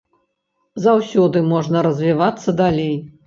Заўсёды можна развівацца далей.